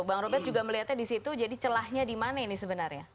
bang robert juga melihatnya di situ jadi celahnya di mana ini sebenarnya